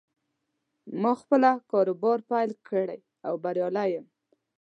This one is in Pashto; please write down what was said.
ما خپله کاروبار پیل کړې او بریالی یم